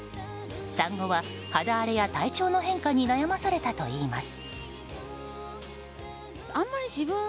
産後は肌荒れや体調の変化に悩まされたといいます。